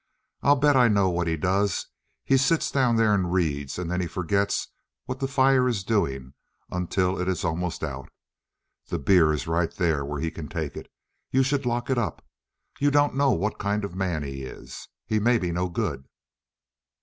"I bet I know what he does. He sits down there and reads, and then he forgets what the fire is doing until it is almost out. The beer is right there where he can take it. You should lock it up. You don't know what kind of a man he is. He may be no good."